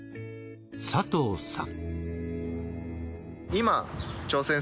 佐藤さん。